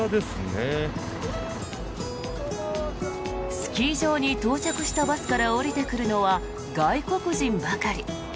スキー場に到着したバスから降りてくるのは外国人ばかり。